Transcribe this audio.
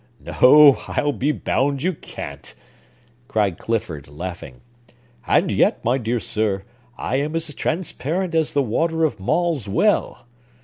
"No, I'll be bound you can't!" cried Clifford, laughing. "And yet, my dear sir, I am as transparent as the water of Maule's well!